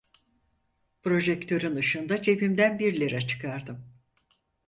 Projektörün ışığında cebimden bir lira çıkardım.